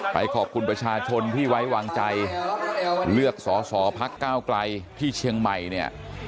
ขอบคุณประชาชนที่ไว้วางใจเลือกสอสอพักก้าวไกลที่เชียงใหม่เนี่ย